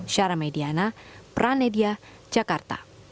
syara mediana pranedia jakarta